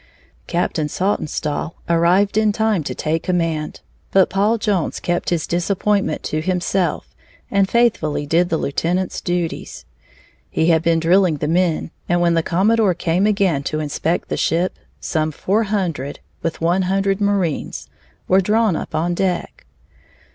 Captain Saltonstall arrived in time to take command, but Paul Jones kept his disappointment to himself and faithfully did the lieutenant's duties. He had been drilling the men, and when the commodore came again to inspect the ship, some four hundred, with one hundred marines, were drawn up on deck.